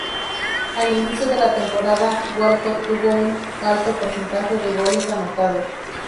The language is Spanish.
Al inicio de la temporada, Walcott tuvo un alto porcentaje de goles anotados.